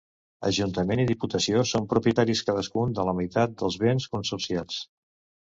Ajuntament i Diputació són propietaris cadascun de la meitat dels béns consorciats.